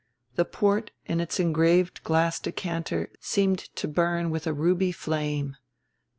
The port in its engraved glass decanter seemed to burn with a ruby flame.